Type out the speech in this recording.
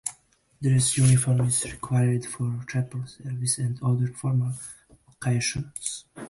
Dress uniform is required for chapel services and other formal occasions.